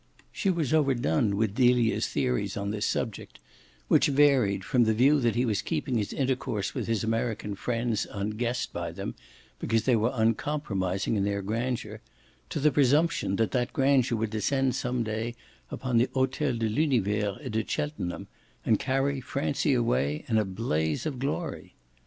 She was overdone with Delia's theories on this subject, which varied, from the view that he was keeping his intercourse with his American friends unguessed by them because they were uncompromising in their grandeur, to the presumption that that grandeur would descend some day upon the Hotel de l'Univers et de Cheltenham and carry Francie away in a blaze of glory.